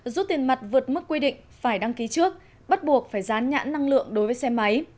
rút tiền mặt vượt mức quy định phải đăng ký trước bắt buộc phải rán nhãn năng lượng đối với xe máy